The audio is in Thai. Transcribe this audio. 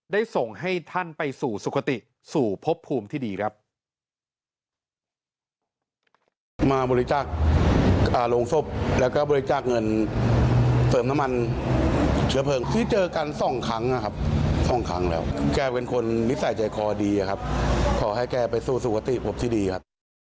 ได้ส่งให้ท่านไปสู่สุขติสู่พบภูมิที่ดีครับ